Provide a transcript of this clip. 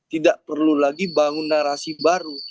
tidak perlu lagi bangun narasi baru